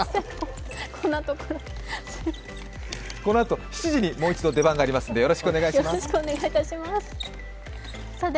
このあと７時にもう一度、出番がありますので、よろしくお願いします。